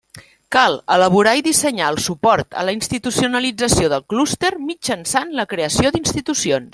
Cal elaborar i dissenyar el suport a la institucionalització del clúster mitjançant la creació d'institucions.